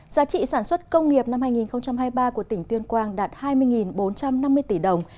giá trị sản xuất công nghiệp năm hai nghìn hai mươi ba của tỉnh tuyên quang đạt hai mươi bốn trăm năm mươi tỷ đồng